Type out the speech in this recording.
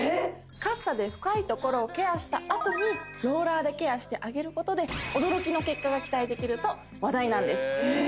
カッサで深いところをケアしたあとにローラーでケアしてあげることで驚きの結果が期待できると話題なんです